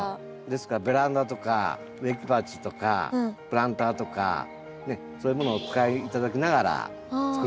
ですからベランダとか植木鉢とかプランターとかねそういうものをお使い頂きながら作ることもできます。